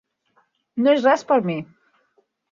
No és res per a mi.